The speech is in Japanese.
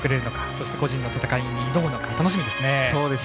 そして個人の戦いに挑むのか楽しみですね。